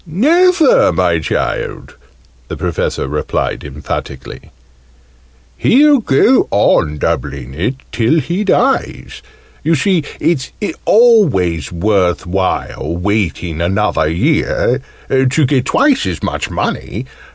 "Never, my child!" the Professor replied emphatically. "He'll go on doubling it, till he dies. You see it's always worth while waiting another year, to get twice as much money!